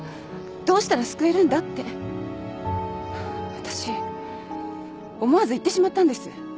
わたし思わず言ってしまったんです。